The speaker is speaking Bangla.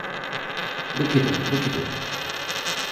দুঃখিত, দুঃখিত!